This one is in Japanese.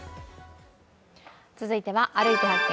続いては「歩いて発見！